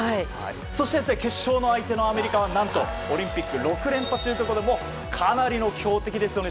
そして、決勝の相手のアメリカは何とオリンピック６連覇中ということでかなりの強敵ですよね。